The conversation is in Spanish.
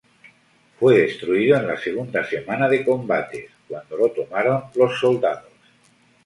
Fue destruido en la segunda semana de combates cuando lo tomaron los soldados.